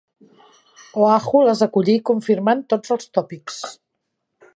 Oahu les acollí confirmant tots els tòpics.